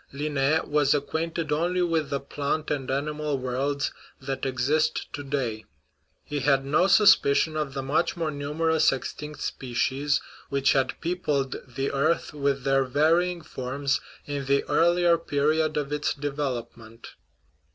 Linn6 was acquainted only with the plant and animal worlds that exist to day ; he had no suspicion of the much more numerous extinct spe cies which had peopled the earth with their varying forms in the earlier period of its development.